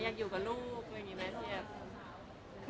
อยากอยู่กับลูกอะไรแบบนี้